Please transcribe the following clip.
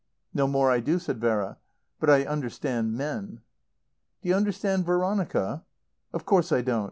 "No more I do," said Vera. "But I understand men." "Do you understand Veronica?" "Of course I don't.